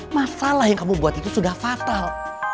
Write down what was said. masalah yang kamu buat itu sudah fatal